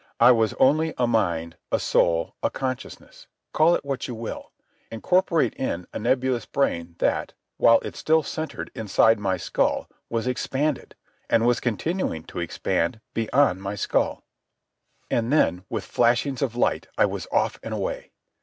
I was only a mind, a soul, a consciousness—call it what you will—incorporate in a nebulous brain that, while it still centred inside my skull, was expanded, and was continuing to expand, beyond my skull. And then, with flashings of light, I was off and away.